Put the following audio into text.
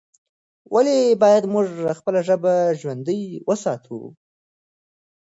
ولې باید موږ خپله ژبه ژوندۍ وساتو؟